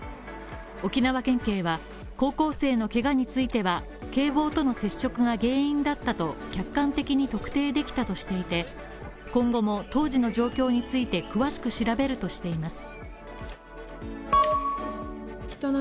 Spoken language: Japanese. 沖縄県警は、高校生のケガについては、警棒との接触が原因だったと客観的に特定できたとしていて、今後も当時の状況について詳しく調べるとしています。